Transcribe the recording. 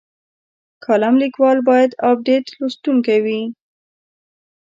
کالم لیکوال باید ابډیټ لوستونکی وي.